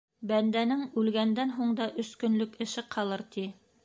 Бәндәнең үлгәндән һуң да өс көнлөк эше ҡалыр, ти.